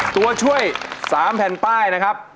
ตัวช่วย๓แผ่นป้ายนะครับ